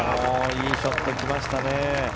いいショット来ましたね。